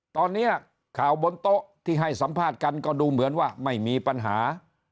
ตอนนี้ข่าวบนโต๊ะที่ให้สัมภาษณ์กันก็ดูเหมือนว่าไม่มีปัญหา